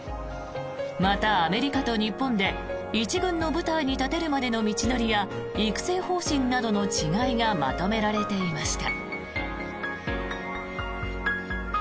また、アメリカと日本で１軍の舞台に立てるまでの道のりや育成方針などの違いがまとめられていました。